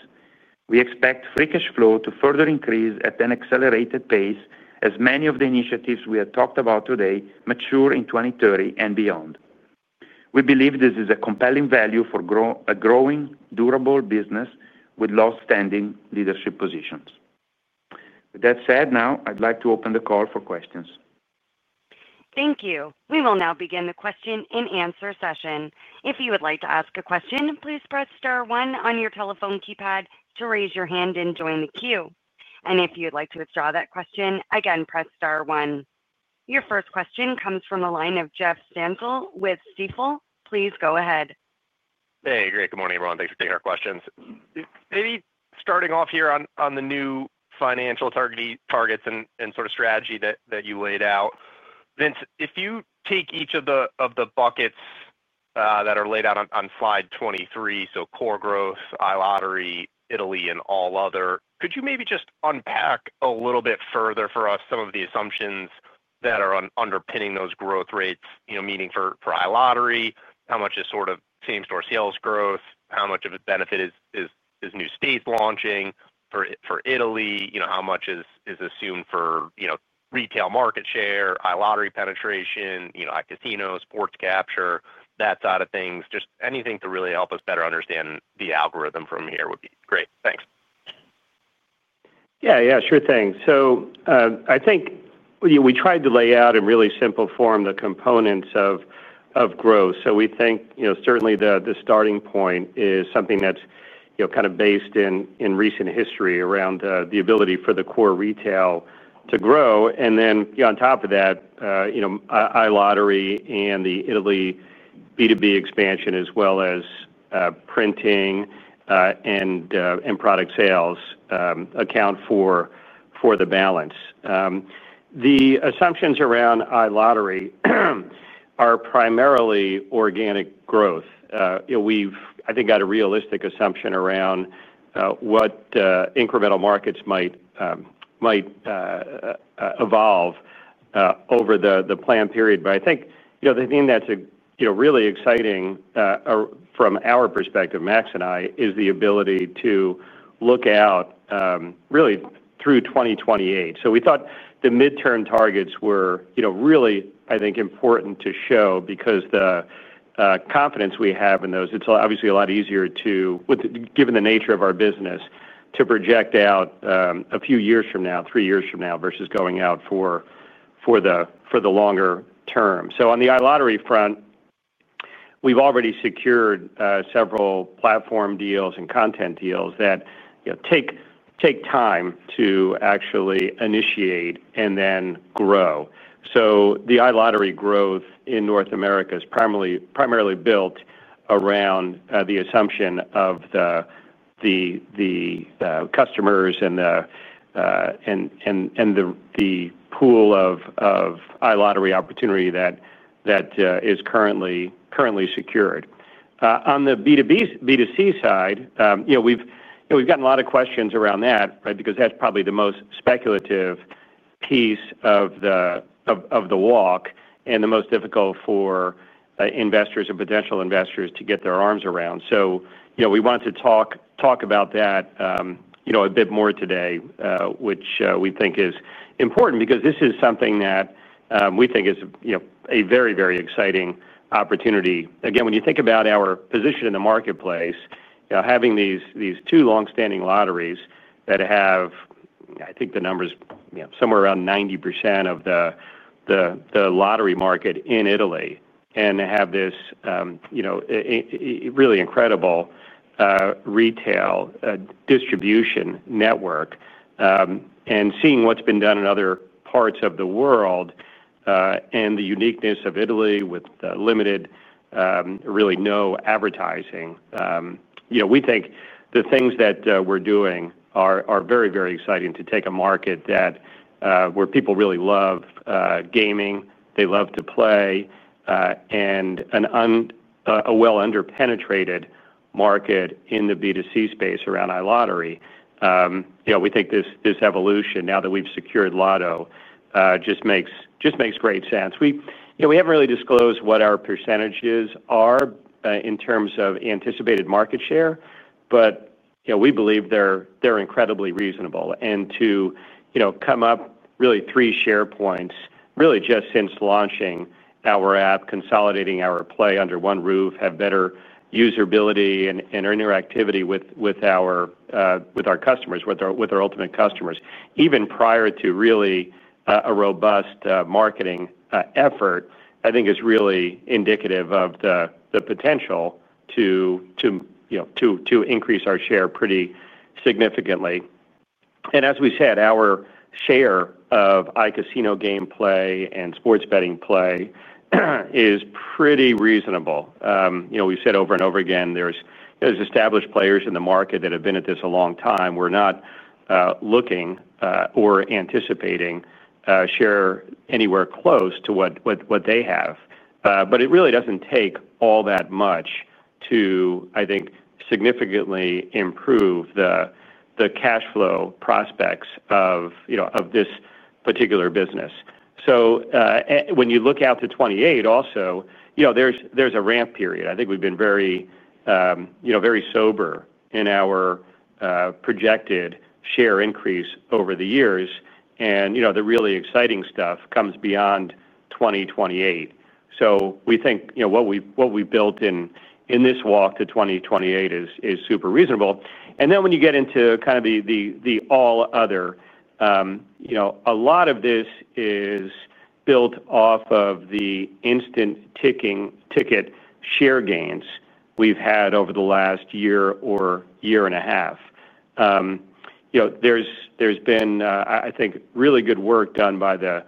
We expect free cash flow to further increase at an accelerated pace as many of the initiatives we have talked about today mature in 2030 and beyond. We believe this is a compelling value for a growing, durable business with long-standing leadership positions. With that said, now I'd like to open the call for questions. Thank you. We will now begin the question and answer session. If you would like to ask a question, please press star one on your telephone keypad to raise your hand and join the queue. If you'd like to withdraw that question, again, press star one. Your first question comes from the line of Jeff Stantial with Stifel. Please go ahead. Hey, great. Good morning, everyone. Thanks for taking our questions. Maybe starting off here on the new financial targets and sort of strategy that you laid out. Vince, if you take each of the buckets that are laid out on slide 23, so core growth, iLottery, Italy, and all other, could you maybe just unpack a little bit further for us some of the assumptions that are underpinning those growth rates, meaning for iLottery, how much is sort of same-store sales growth, how much of a benefit is new states launching for Italy, how much is assumed for retail market share, iLottery penetration, iCasino, sports capture, that side of things. Just anything to really help us better understand the algorithm from here would be great. Thanks. Yeah, yeah, sure thing. I think we tried to lay out in really simple form the components of growth. We think certainly the starting point is something that's kind of based in recent history around the ability for the core retail to grow. On top of that, iLottery and the Italy B2B expansion, as well as printing and product sales, account for the balance. The assumptions around iLottery are primarily organic growth. We've, I think, got a realistic assumption around what incremental markets might evolve over the planned period. I think the thing that's really exciting from our perspective, Max and I, is the ability to look out really through 2028. We thought the mid-term targets were really, I think, important to show because the confidence we have in those, it's obviously a lot easier to, given the nature of our business, to project out a few years from now, three years from now, versus going out for the longer term. On the iLottery front, we've already secured several platform deals and content deals that take time to actually initiate and then grow. The iLottery growth in North America is primarily built around the assumption of the customers and the pool of iLottery opportunity that is currently secured. On the B2C side, we've gotten a lot of questions around that, right, because that's probably the most speculative piece of the walk and the most difficult for investors and potential investors to get their arms around. We want to talk about that a bit more today, which we think is important because this is something that we think is a very, very exciting opportunity. Again, when you think about our position in the marketplace, having these two long-standing lotteries that have, I think, the numbers somewhere around 90% of the lottery market in Italy and have this really incredible retail distribution network, and seeing what's been done in other parts of the world, and the uniqueness of Italy with limited, really no advertising, we think the things that we're doing are very, very exciting to take a market where people really love gaming, they love to play, and a well-underpenetrated market in the B2C space around iLottery. We think this evolution, now that we've secured Lotto, just makes great sense. We haven't really disclosed what our percentages are in terms of anticipated market share, but we believe they're incredibly reasonable. To come up really three share points, really just since launching our app, consolidating our play under one roof, have better usability and interactivity with our customers, with our ultimate customers, even prior to really a robust marketing effort, I think is really indicative of the potential to increase our share pretty significantly. As we said, our share of iCasino gameplay and sports betting play is pretty reasonable. We've said over and over again, there's established players in the market that have been at this a long time. We're not looking or anticipating share anywhere close to what they have. It really doesn't take all that much to, I think, significantly improve the cash flow prospects of this particular business. When you look out to 2028, also, there's a ramp period. I think we've been very sober in our projected share increase over the years. The really exciting stuff comes beyond 2028. We think what we've built in this walk to 2028 is super reasonable. When you get into kind of the all other, a lot of this is built off of the instant ticket share gains we've had over the last year or year and a half. There's been, I think, really good work done by the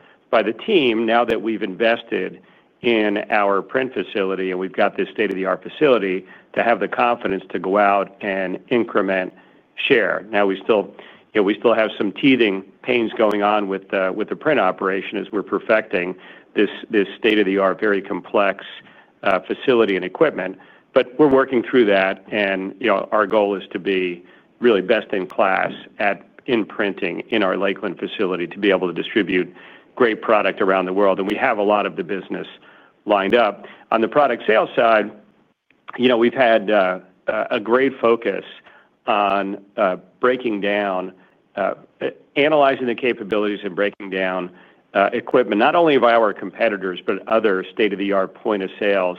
team now that we've invested in our print facility and we've got this state-of-the-art facility to have the confidence to go out and increment share. We still have some teething pains going on with the print operation as we're perfecting this state-of-the-art, very complex facility and equipment. We're working through that. Our goal is to be really best in class in printing in our Lakeland facility to be able to distribute great product around the world. We have a lot of the business lined up. On the product sales side, we've had a great focus on breaking down, analyzing the capabilities and breaking down equipment, not only of our competitors, but other state-of-the-art point-of-sales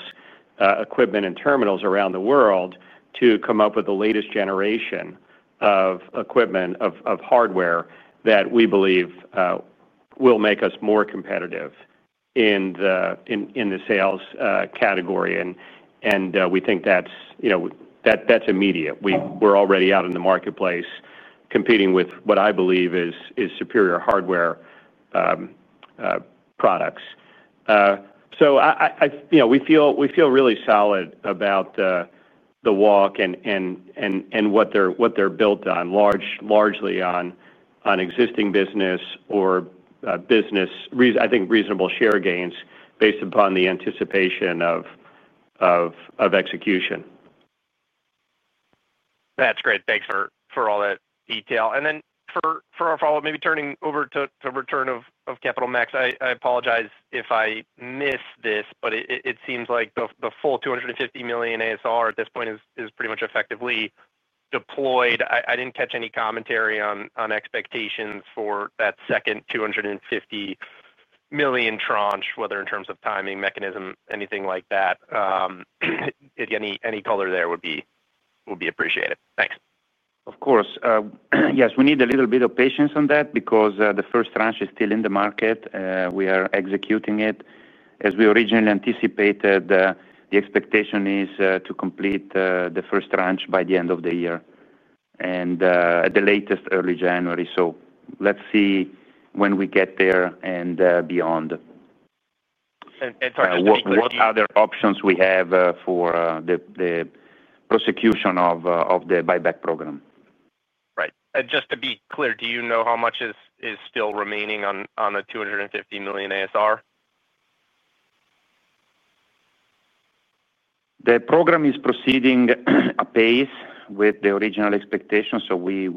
equipment and terminals around the world to come up with the latest generation of equipment, of hardware that we believe will make us more competitive in the sales category. We think that's immediate. We're already out in the marketplace competing with what I believe is superior hardware products. We feel really solid about the walk and what they're built on, largely on existing business or business, I think, reasonable share gains based upon the anticipation of execution. That's great. Thanks for all that detail. For our follow-up, maybe turning over to return of capital, Max. I apologize if I missed this, but it seems like the full $250 million ASR at this point is pretty much effectively deployed. I didn't catch any commentary on expectations for that second $250 million tranche, whether in terms of timing, mechanism, anything like that. Any color there would be appreciated. Thanks. Of course. Yes, we need a little bit of patience on that because the first tranche is still in the market. We are executing it as we originally anticipated. The expectation is to complete the first tranche by the end of the year. At the latest, early January. Let's see when we get there and beyond. Sorry, what other options do we have for the prosecution of the buyback program? Right. And just to be clear, do you know how much is still remaining on the $250 million ASR? The program is proceeding at pace with the original expectations. We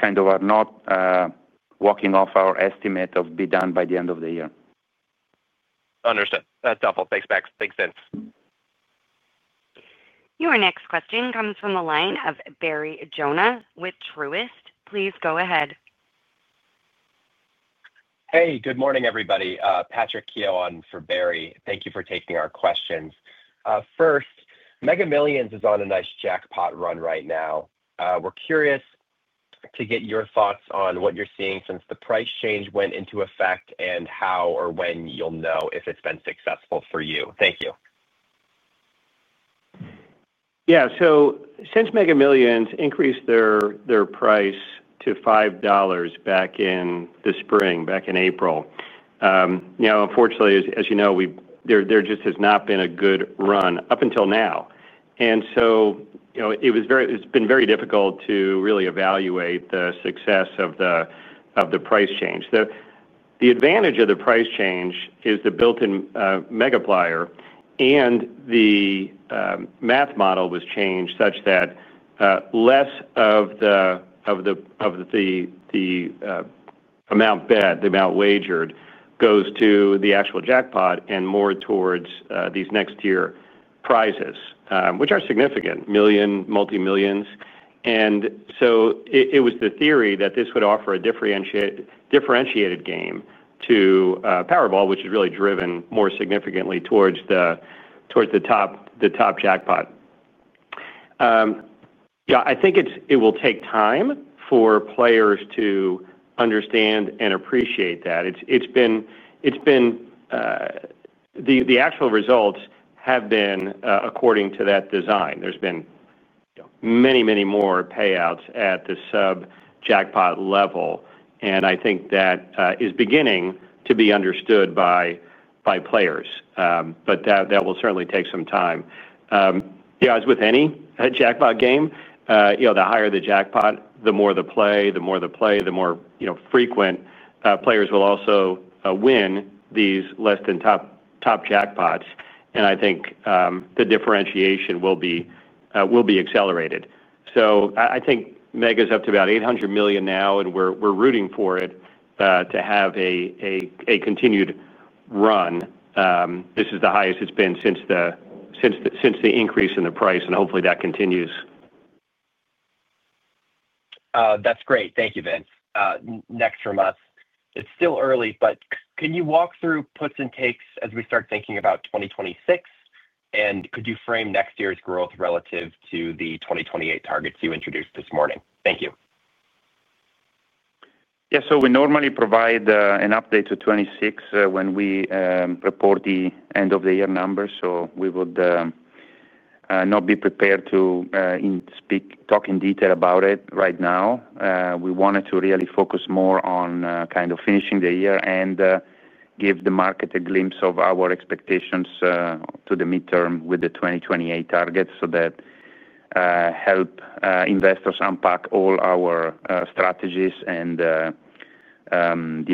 kind of are not walking off our estimate of be done by the end of the year. Understood. That's helpful. Thanks, Max. Makes sense. Your next question comes from the line of Barry Jonas with Truist. Please go ahead. Hey, good morning, everybody. Patrick Keough on for Barry. Thank you for taking our questions. First, Mega Millions is on a nice jackpot run right now. We're curious to get your thoughts on what you're seeing since the price change went into effect and how or when you'll know if it's been successful for you. Thank you. Yeah. Since Mega Millions increased their price to $5 back in the spring, back in April, unfortunately, as you know, there just has not been a good run up until now. It's been very difficult to really evaluate the success of the price change. The advantage of the price change is the built-in multiplier, and the math model was changed such that less of the amount bet, the amount wagered, goes to the actual jackpot and more towards these next-tier prizes, which are significant, million, multi-millions. It was the theory that this would offer a differentiated game to Powerball, which is really driven more significantly towards the top jackpot. I think it will take time for players to understand and appreciate that. The actual results have been according to that design. There have been many, many more payouts at the sub-jackpot level, and I think that is beginning to be understood by players, but that will certainly take some time. As with any jackpot game, the higher the jackpot, the more the play, the more the play, the more frequent players will also win these less than top jackpots. I think the differentiation will be accelerated. I think Mega's up to about $800 million now, and we're rooting for it to have a continued run. This is the highest it's been since the increase in the price, and hopefully that continues. That's great. Thank you, Vince. Next from us. It's still early, but can you walk through puts and takes as we start thinking about 2026? Could you frame next year's growth relative to the 2028 targets you introduced this morning? Thank you. Yeah. So we normally provide an update to 2026 when we report the end-of-the-year numbers. We would not be prepared to talk in detail about it right now. We wanted to really focus more on kind of finishing the year and give the market a glimpse of our expectations to the midterm with the 2028 targets so that helps investors unpack all our strategies and the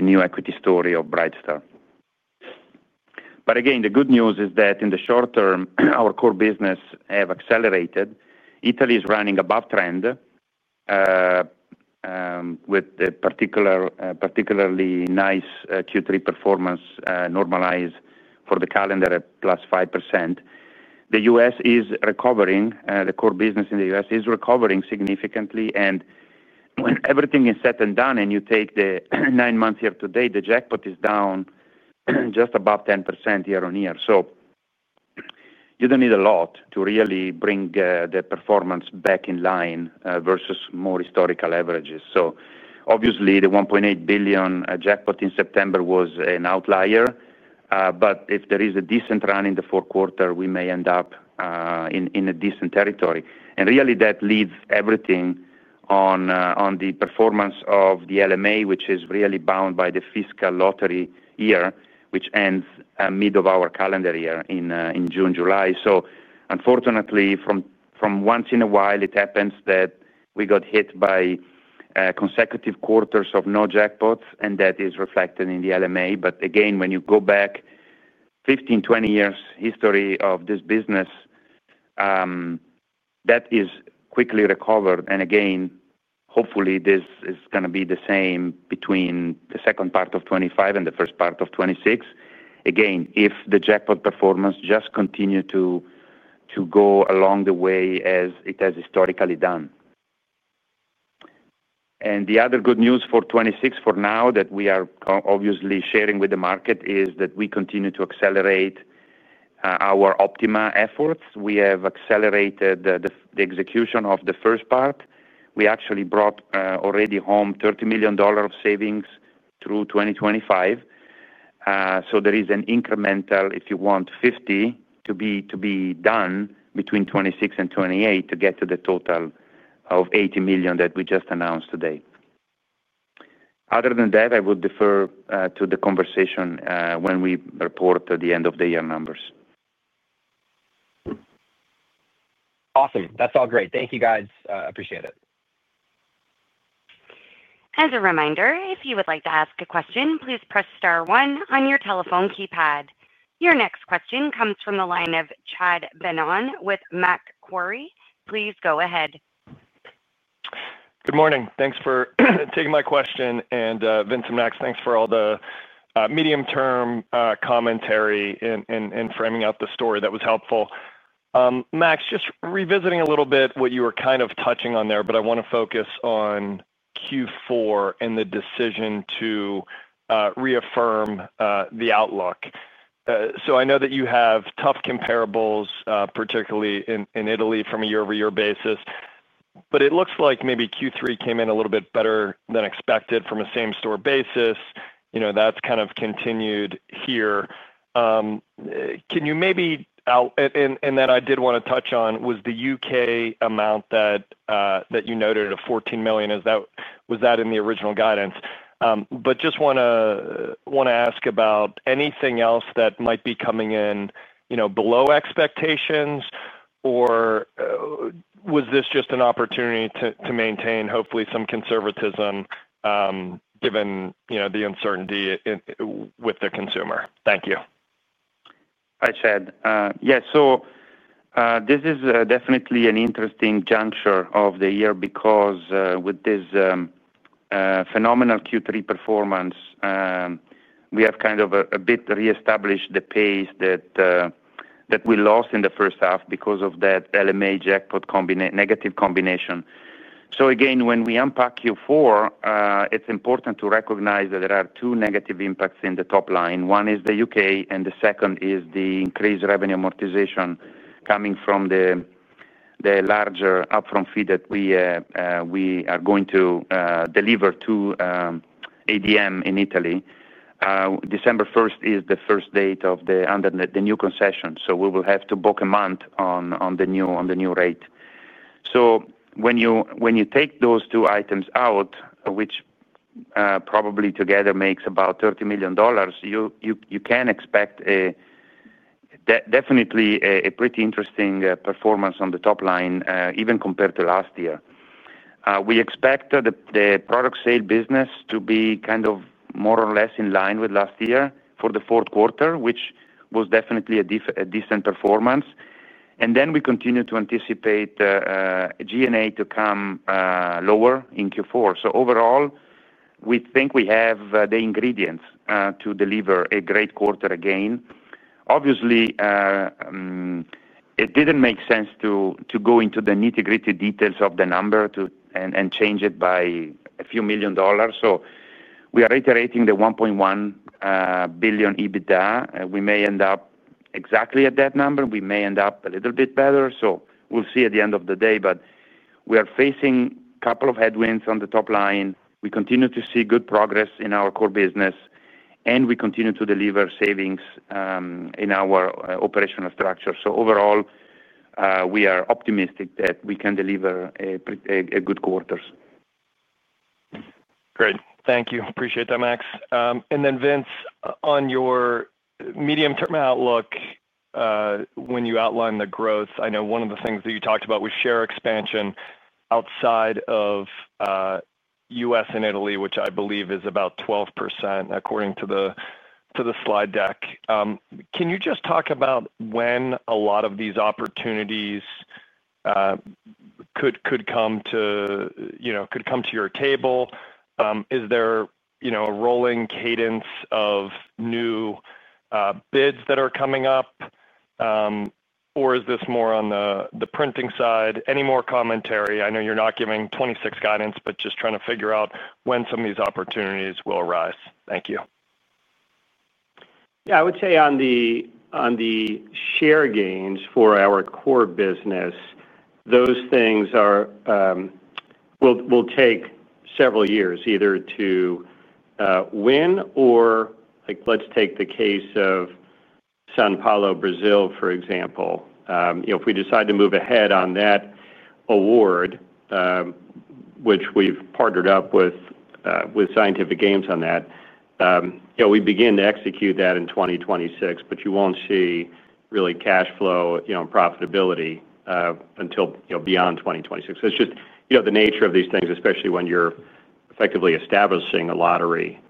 new equity story of Brightstar. Again, the good news is that in the short term, our core business has accelerated. Italy is running above trend, with particularly nice Q3 performance normalized for the calendar at +5%. The U.S. is recovering. The core business in the U.S. is recovering significantly. When everything is said and done, and you take the nine-month year to date, the jackpot is down just above 10% year-on-year. You do not need a lot to really bring the performance back in line versus more historical averages. Obviously, the $1.8 billion jackpot in September was an outlier. If there is a decent run in the fourth quarter, we may end up in a decent territory. That leaves everything on the performance of the LMA, which is really bound by the fiscal lottery year, which ends mid of our calendar year in June, July. Unfortunately, from once in a while, it happens that we got hit by consecutive quarters of no jackpots, and that is reflected in the LMA. Again, when you go back 15-20 years history of this business, that is quickly recovered. Hopefully, this is going to be the same between the second part of 2025 and the first part of 2026. If the jackpot performance just continues to go along the way as it has historically done. The other good news for 2026 for now that we are obviously sharing with the market is that we continue to accelerate our OPtiMa efforts. We have accelerated the execution of the first part. We actually brought already home $30 million of savings through 2025. There is an incremental, if you want, $50 million to be done between 2026 and 2028 to get to the total of $80 million that we just announced today. Other than that, I would defer to the conversation when we report the end-of-the-year numbers. Awesome. That's all great. Thank you, guys. Appreciate it. As a reminder, if you would like to ask a question, please press star one on your telephone keypad. Your next question comes from the line of Chad Beynon with Macquarie. Please go ahead. Good morning. Thanks for taking my question. Vincent, Max, thanks for all the medium-term commentary and framing out the story. That was helpful. Max, just revisiting a little bit what you were kind of touching on there, I want to focus on Q4 and the decision to reaffirm the outlook. I know that you have tough comparables, particularly in Italy, from a year-over-year basis. It looks like maybe Q3 came in a little bit better than expected from a same-store basis. That has kind of continued here. Can you maybe—and then I did want to touch on the U.K. amount that you noted of $14 million, was that in the original guidance? I just want to ask about anything else that might be coming in below expectations, or was this just an opportunity to maintain, hopefully, some conservatism given the uncertainty with the consumer? Thank you. Hi, Chad. Yeah. This is definitely an interesting juncture of the year because with this phenomenal Q3 performance, we have kind of a bit reestablished the pace that we lost in the first half because of that jackpot negative combination. Again, when we unpack Q4, it's important to recognize that there are two negative impacts in the top line. One is the U.K., and the second is the increased revenue amortization coming from the larger upfront fee that we are going to deliver to ADM in Italy. December 1st is the first date of the new concession, so we will have to book a month on the new rate. When you take those two items out, which probably together makes about $30 million, you can expect definitely a pretty interesting performance on the top line, even compared to last year. We expect the product sale business to be kind of more or less in line with last year for the fourth quarter, which was definitely a decent performance. We continue to anticipate G&A to come lower in Q4. Overall, we think we have the ingredients to deliver a great quarter again. Obviously, it didn't make sense to go into the nitty-gritty details of the number and change it by a few million dollars. We are reiterating the $1.1 billion EBITDA. We may end up exactly at that number. We may end up a little bit better. We'll see at the end of the day. We are facing a couple of headwinds on the top line. We continue to see good progress in our core business, and we continue to deliver savings in our operational structure. Overall, we are optimistic that we can deliver a good quarter. Great. Thank you. Appreciate that, Max. Vince, on your medium-term outlook, when you outline the growth, I know one of the things that you talked about was share expansion outside of the U.S. and Italy, which I believe is about 12% according to the slide deck. Can you just talk about when a lot of these opportunities could come to your table? Is there a rolling cadence of new bids that are coming up, or is this more on the printing side? Any more commentary? I know you're not giving 2026 guidance, but just trying to figure out when some of these opportunities will arise. Thank you. Yeah. I would say on the share gains for our core business, those things will take several years, either to win or, let's take the case of São Paulo, Brazil, for example. If we decide to move ahead on that award, which we've partnered up with Scientific Games on that, we begin to execute that in 2026, but you won't see really cash flow and profitability until beyond 2026. It's just the nature of these things, especially when you're effectively establishing a lottery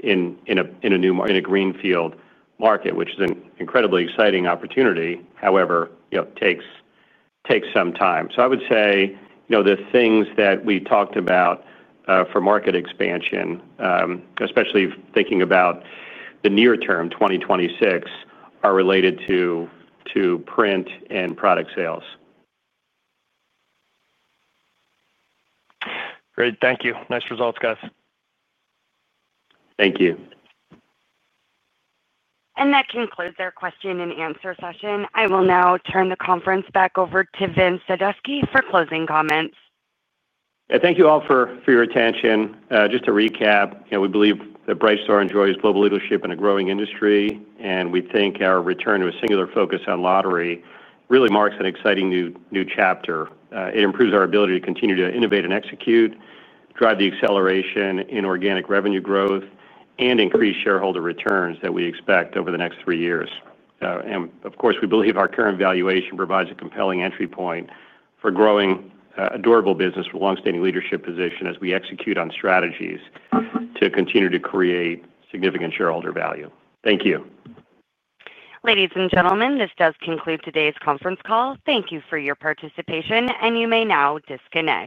in a greenfield market, which is an incredibly exciting opportunity, however, takes some time. I would say the things that we talked about for market expansion, especially thinking about the near term, 2026, are related to print and product sales. Great. Thank you. Nice results, guys. Thank you. That concludes our question and answer session. I will now turn the conference back over to Vince Sadusky for closing comments. Thank you all for your attention. Just to recap, we believe that Brightstar enjoys global leadership in a growing industry. We think our return to a singular focus on lottery really marks an exciting new chapter. It improves our ability to continue to innovate and execute, drive the acceleration in organic revenue growth, and increase shareholder returns that we expect over the next three years. We believe our current valuation provides a compelling entry point for growing a durable business with a long-standing leadership position as we execute on strategies to continue to create significant shareholder value. Thank you. Ladies and gentlemen, this does conclude today's conference call. Thank you for your participation, and you may now disconnect.